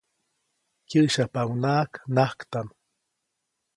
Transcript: Kyäsyapaʼuŋnaʼak najktaʼm.